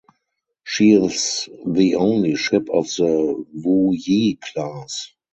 She is the only ship of the "Wu Yi" class.